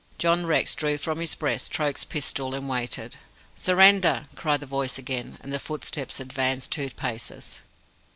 John Rex drew from his breast Troke's pistol and waited. "Surrender!" cried the voice again, and the footsteps advanced two paces.